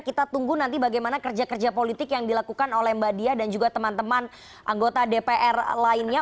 kita tunggu nanti bagaimana kerja kerja politik yang dilakukan oleh mbak diah dan juga teman teman anggota dpr lainnya